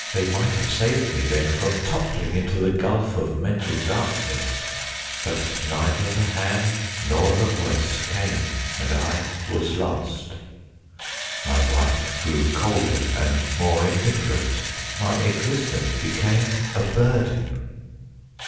They might have saved me then from toppling into the gulf of mental dark ness, but neither the hand nor the voice came, and I was lost. My wife grew colder and more indifferent ; my existence became a burden.